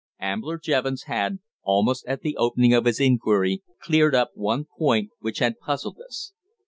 Ambler Jevons had, almost at the opening of his inquiry, cleared up one point which had puzzled us.